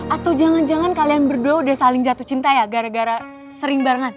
atau jangan jangan kalian berdua udah saling jatuh cinta ya gara gara sering banget